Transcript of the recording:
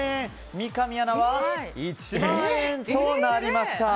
三上アナは１万円となりました。